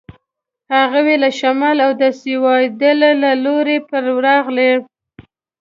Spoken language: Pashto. هغوی له شمال او د سیوایډل له لوري پر راغلي.